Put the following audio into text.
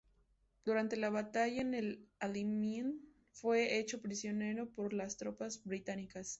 Durante la batalla de El Alamein fue hecho prisionero por las tropas británicas.